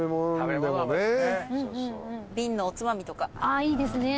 あいいですね。